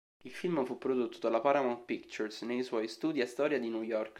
Il film fu prodotto dalla Paramount Pictures nei suoi studi Astoria di New York.